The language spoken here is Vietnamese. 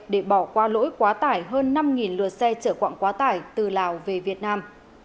để bỏ qua lỗi quá tải hơn năm lượt xe trở quạng quá tải từ lào về việt nam